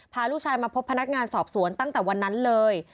พาลูกชายมาพบพนักงานสอบสวนตั้งแต่วันนั้นเลย